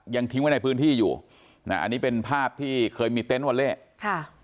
ยังทิ้งไว้ในพื้นที่อยู่นะอันนี้เป็นภาพที่เคยมีเต็นต์วอเล่ค่ะ